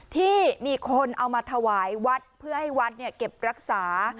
ที่มีคนเอามาถวายวัดเพื่อให้วัดเก็บรักษา